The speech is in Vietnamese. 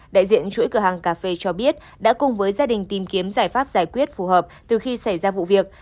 đại diện chuỗi cửa hàng cà phê cho biết đã cùng với gia đình tìm kiếm giải pháp giải quyết phù hợp từ khi xảy ra vụ việc